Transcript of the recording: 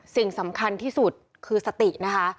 สิ่งสำคัญที่สุดคือสตินะคะ